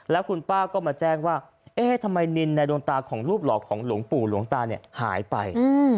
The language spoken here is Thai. แล้วคุณป้าก็มาแจ้งว่าเอ๊ะทำไมนินในดวงตาของรูปหล่อของหลวงปู่หลวงตาเนี่ยหายไป